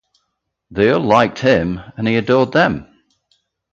They all liked him, and he adored them.